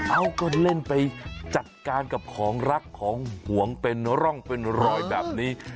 เอาก็เล่นไปจัดการกับของรักของห่วงเป็นร่องเป็นรอยแบบนี้